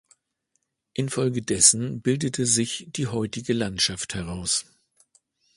Infolgedessen bildete sich die heutige Landschaft heraus.